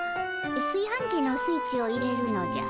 すいはんきのスイッチを入れるのじゃ。